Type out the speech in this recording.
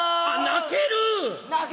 泣ける！